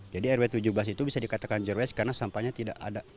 jadi rw tujuh belas itu bisa dikatakan jeroes karena sampahnya tidak ada